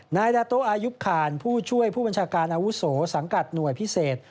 นายดาโตอายุคานผู้ช่วยผู้บัญชาการอาวุโสสังกัดหน่วยพิเศษ